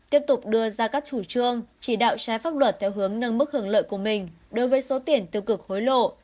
tiếp tục đưa ra các chủ trương chỉ đạo trái pháp luật theo hướng nâng mức hưởng lợi của mình đối với số tiền tiêu cực hối lộ